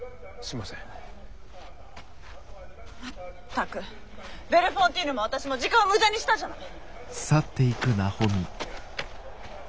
まったくベルフォンティーヌも私も時間を無駄にしたじゃない！